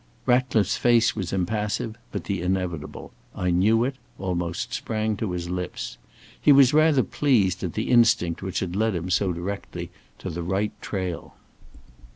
Ratcliffe's face was impassive, but the inevitable, "I knew it," almost sprang to his lips. He was rather pleased at the instinct which had led him so directly to the right trail.